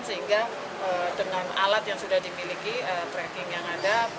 sehingga dengan alat yang sudah dimiliki tracking yang ada